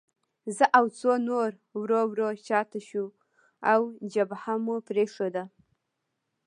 زه او څو نور ورو ورو شاته شوو او جبهه مو پرېښوده